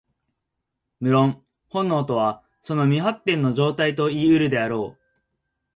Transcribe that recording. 無論、本能とはその未発展の状態といい得るであろう。